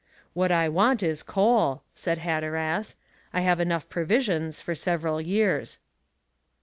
"What I want is coal," said Hatteras; "I have enough provisions for several years."